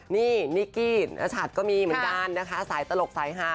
นี่นิกกี้นชัดก็มีเหมือนกันนะคะสายตลกสายฮา